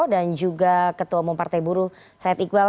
dan juga ketua umum partai buruh syed iqbal